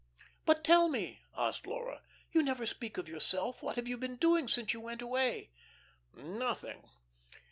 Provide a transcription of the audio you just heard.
"But tell me," asked Laura, "you never speak of yourself, what have you been doing since you went away?" "Nothing.